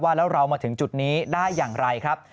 แล้วเรามาถึงจุดนี้ได้อย่างไรครับ